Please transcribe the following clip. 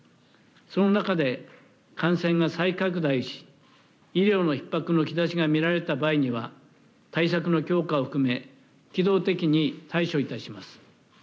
その中で、感染が再拡大し、医療のひっ迫の兆しが見られた場合には、対策の強化を含め、機動的に対処いたします。